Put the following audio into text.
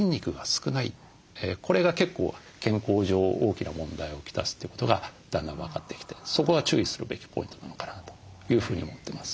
これが結構健康上大きな問題をきたすということがだんだん分かってきてそこは注意するべきポイントなのかなというふうに思ってます。